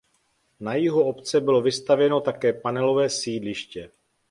Na jihu obce bylo vystavěno také panelové sídliště.